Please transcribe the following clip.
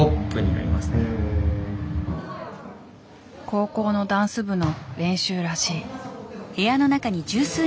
高校のダンス部の練習らしい。